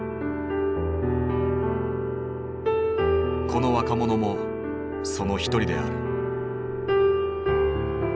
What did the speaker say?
この若者もその一人である。